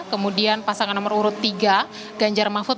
kemudian pasangan nomor urut tiga ganjar mahfud